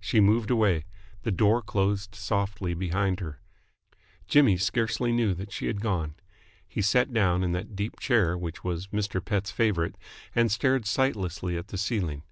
She moved away. The door closed softly behind her. Jimmy scarcely knew that she had gone. He sat down in that deep chair which was Mr. Pett's favourite, and stared sightlessly at the ceiling.